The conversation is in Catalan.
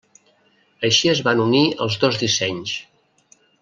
Així es van unir els dos dissenys.